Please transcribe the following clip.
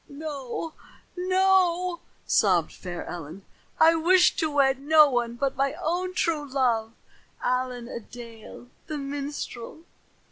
"No, no," sobbed fair Ellen. "I wish to wed no one but my own true love, Allen a Dale the minstrel."